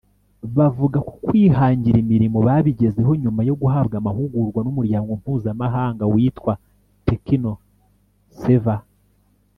bavuga ko kwihangira imirimo babigezeho nyuma yo guhabwa amahugurwa n’umuryango mpuzamahanga witwa “Techno Serve”